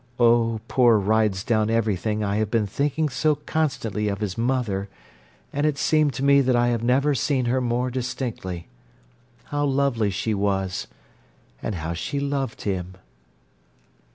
Oh, poor Rides Down Everything I have been thinking so constantly of his mother and it seemed to me that I have never seen her more distinctly. How lovely she was—and how she loved him!